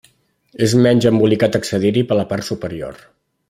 És menys embolicat accedir-hi per la part superior.